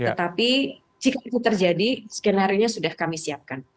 tetapi jika itu terjadi skenario nya sudah kami siapkan